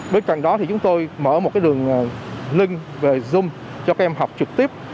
bên cạnh đó thì chúng tôi mở một cái đường link về zoom cho các em học trực tiếp